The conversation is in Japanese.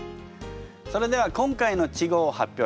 それでは今回の稚語を発表しましょう。